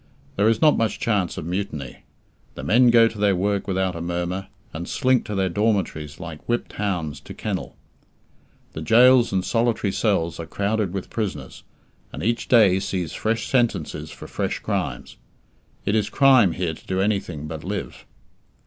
There is not much chance of mutiny. The men go to their work without a murmur, and slink to their dormitories like whipped hounds to kennel. The gaols and solitary (!) cells are crowded with prisoners, and each day sees fresh sentences for fresh crimes. It is crime here to do anything but live.